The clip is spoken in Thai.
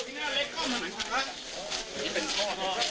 แค้นเหล็กเอาไว้บอกว่ากะจะฟาดลูกชายให้ตายเลยนะ